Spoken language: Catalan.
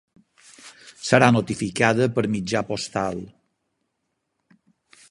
Serà notificada per mitjà postal.